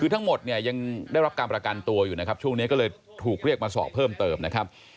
คือทั้งหมดเนี่ยยังได้รับการประกันตัวอยู่นะครับช่วงนี้ก็เลยถูกเรียกมาสอบเพิ่มเติมนะครับ